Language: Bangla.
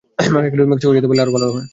ম্যাক্সিকোয় যেতে পারলে আরো ভালো হয়!